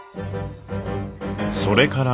それから２